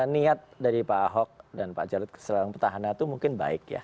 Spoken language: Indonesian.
niat dari pak aho dan pak jalut keselam pertahanan itu mungkin baik ya